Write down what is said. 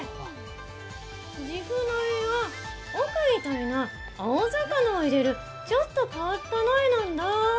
じふ鍋は、僕みたいな青魚を入れるちょっと変わった鍋なんだ。